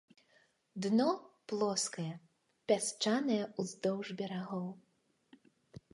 Дно плоскае, пясчанае ўздоўж берагоў.